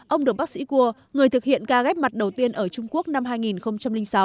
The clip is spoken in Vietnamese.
ông được bác sĩ cua người thực hiện ca ghép mặt đầu tiên ở trung quốc năm hai nghìn sáu